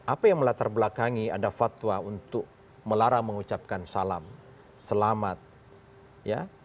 apa yang melatar belakangi ada fatwa untuk melarang mengucapkan salam selamat ya